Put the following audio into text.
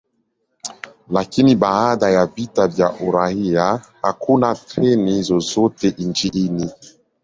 Lakini baada ya vita vya uraia, hakuna treni zozote nchini.